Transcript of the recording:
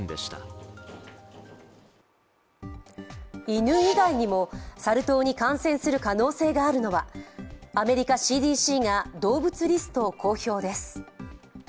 犬以外にもサル痘に感染する可能性があるのはアメリカＣＤＣが動物リストを公表です。